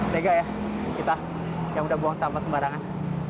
tega ya kita yang udah buang sampah sembarangan